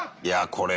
これ。